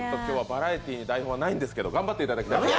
バラエティーに台本はないんですけど頑張っていただきたいです。